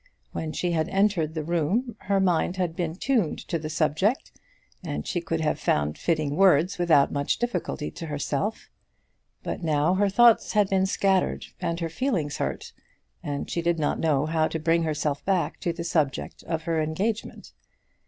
When she had entered the room her mind had been tuned to the subject, and she could have found fitting words without much difficulty to herself; but now her thoughts had been scattered and her feelings hurt, and she did not know how to bring herself back to the subject of her engagement.